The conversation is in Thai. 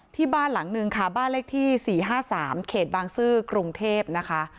ที่บ้านหลังนึงค่ะบ้านเลขที่๔๕๓เขตบางซื่อกรุงเทพนะคะ